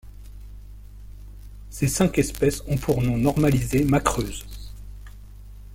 Ses cinq espèces ont pour nom normalisé macreuses.